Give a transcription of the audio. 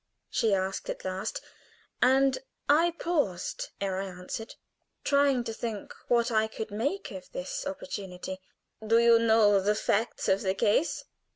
she asked, at last; and I paused ere I answered, trying to think what I could make of this opportunity. "Do you know the facts of the case?"